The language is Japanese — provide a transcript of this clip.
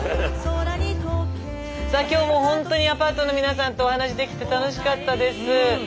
さあ今日もほんとにアパートの皆さんとお話しできて楽しかったです。